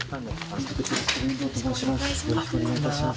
よろしくお願いします。